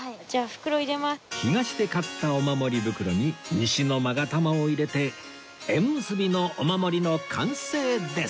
東で買ったお守り袋に西の勾玉を入れて縁結びのお守りの完成です！